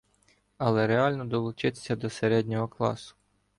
Але реально долучитися до середнього класу